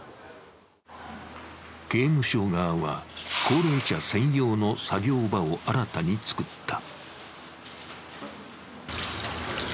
刑務所側は、高齢者専用の作業場を新たにつくった。